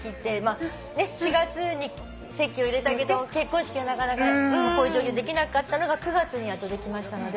４月に籍を入れたけど結婚式はなかなかこういう状況でできなかったのが９月にやっとできましたので。